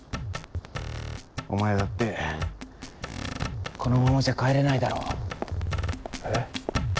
お前だってこのままじゃ帰れないだろ？え？